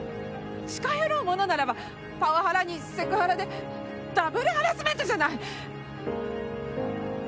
近寄ろうものならばパワハラにセクハラでダブルハラスメントじゃない！